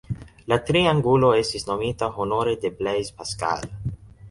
La triangulo estis nomita honore de Blaise Pascal.